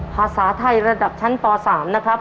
ภาษาไทยระดับชั้นป๓นะครับ